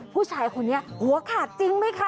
ผู้ชายคนนี้หัวขาดจริงไหมคะ